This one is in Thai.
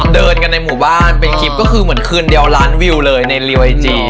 เดินกันในหมู่บ้านเป็นคลิปก็คือเหมือนคืนเดียวล้านวิวเลยในริวไอจี